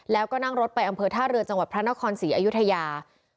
แล้วก็นั่งรถไปอำเภอท่าเรือจังหวัดพระนครศรีอยุธยา